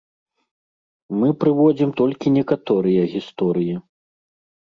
Мы прыводзім толькі некаторыя гісторыі.